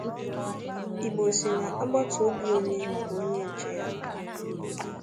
Igbo sị na agbataobi onye bụ onye nche ya.